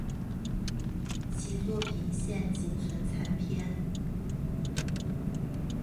其作品现仅存残篇。